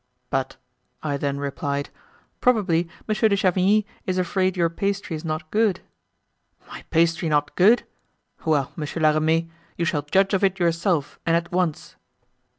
'But,' I then replied, 'probably Monsieur de Chavigny is afraid your pastry is not good.' 'My pastry not good! Well, Monsieur La Ramee, you shall judge of it yourself and at once.